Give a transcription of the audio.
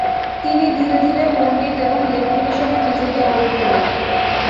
তিনি ধীরে ধীরে পণ্ডিত এবং লেখক হিসেবে নিজেকে গড়ে তুলেন।